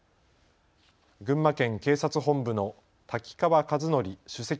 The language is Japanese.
群馬県警察本部の滝川和典首席